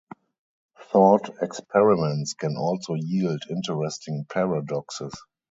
Thought experiments can also yield interesting paradoxes.